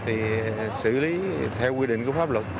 thì xử lý theo quy định của pháp luật